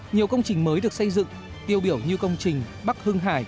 nhiều công trình mới được xây dựng tiêu biểu như công trình bắc hưng hải